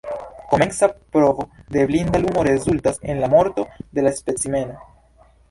Komenca provo de blinda lumo rezultas en la morto de la specimeno.